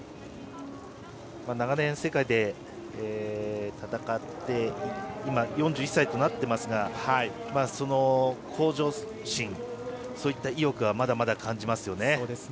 長年、世界で戦って今、４１歳となっていますが向上心、そういった意欲はまだまだ感じますよね。